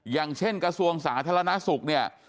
อย่างเช่นกระทรวงสาธารณสุขเนี่ย